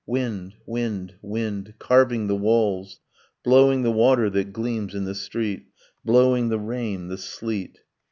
Wind; wind; wind; carving the walls; Blowing the water that gleams in the street; Blowing the rain, the sleet.